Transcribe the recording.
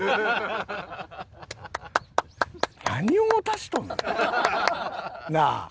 何を持たしとんねん。なあ！